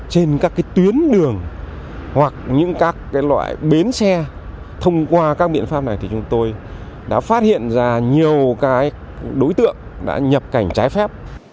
trên các tuyến đường hoặc những các loại bến xe thông qua các biện pháp này thì chúng tôi đã phát hiện ra nhiều đối tượng đã nhập cảnh trái phép